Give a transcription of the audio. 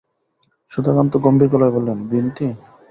সুধাকান্ত গম্ভীর গলায় বললেন, বিন্তি।